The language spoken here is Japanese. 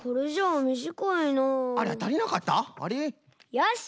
よし！